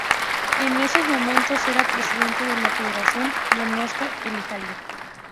En esos momentos era Presidente de la Federación don Oscar Elejalde.